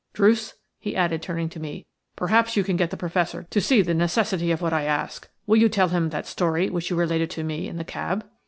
Druce," he added, turning to me, "perhaps you can get the Professor to see the necessity of what I ask. Will you tell him that story which you related to me in the cab?"